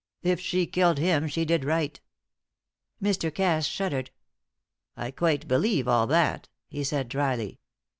If she killed him, she did right." Mr. Cass shuddered. "I quite believe all that," he said, drily.